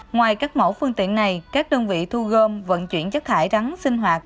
ngoài các mẫu phương tiện này các đơn vị thu gom vận chuyển chất thải rắn sinh hoạt